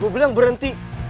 gue bilang berhenti